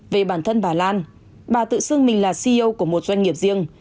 về bản thân bà lan bà tự xưng mình là ceo của một doanh nghiệp riêng